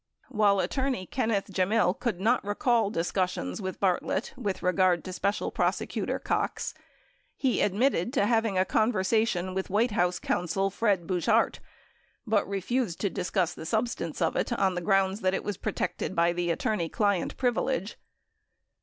While attorney Kenneth Gemmill could not recall discussions with Bartlett with regard to Special Prosecutor Cox, he admitted to having a conversation with White House counsel Fred Buzhardt but refused to discuss the substance of it on the grounds that it was protected by the attorney client privilege.